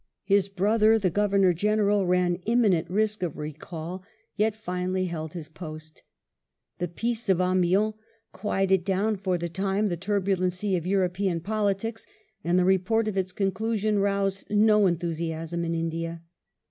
His brother, the Governor General, ran imminent risk of recall, yet finally held his post The peace of Amiens quieted down for the time the turbulent sea of European politics, and the report of its conclusion aroused no enthusiasm in India.